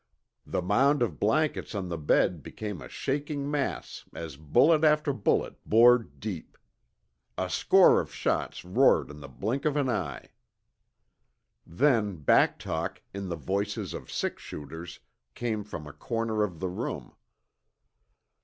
The mound of blankets on the bed became a shaking mass as bullet after bullet bored deep. A score of shots roared in the blink of an eye. Then, back talk, in the voices of six shooters, came from a corner of the room.